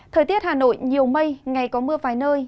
thời tiết hà nội nhiều mây ngày có mưa vài nơi